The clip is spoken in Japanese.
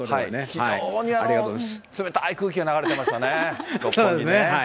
非常に冷たい空気が流れてましたね、六本木ね。